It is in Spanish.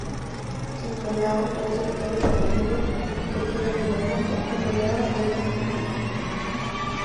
El Collao fue territorio de la antigua cultura Tiahuanaco a mediados del I milenio.